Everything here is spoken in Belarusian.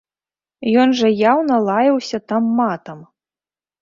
Ён жа яўна лаяўся там матам!